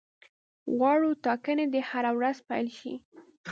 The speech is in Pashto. غواړو ټاکنې دي هره ورځ پیل شي.